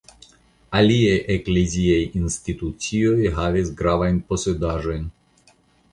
Aliaj ekleziaj institucioj havis gravajn posedaĵojn.